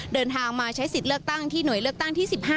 เดินทางมาใช้สิทธิ์เลือกตั้งที่หน่วยเลือกตั้งที่๑๕